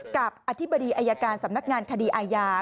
กับอธิบดีอายการสำนักงานคดีอาญา